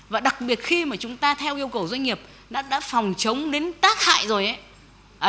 và đặc biệt khi mà chúng ta theo yêu cầu doanh nghiệp đã phòng chống đến tác hại rồi ấy